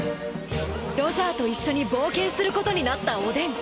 ［ロジャーと一緒に冒険することになったおでん］